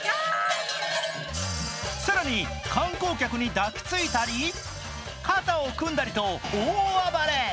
更に、観光客に抱きついたり肩を組んだりと大暴れ。